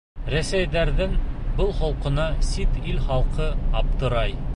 Рәсәйҙәрҙең был холҡона сит ил халҡы аптырай.